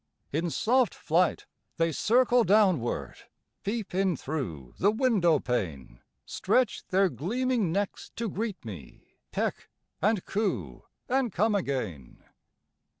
In soft flight, they circle downward, Peep in through the window pane; Stretch their gleaming necks to greet me, Peck and coo, and come again.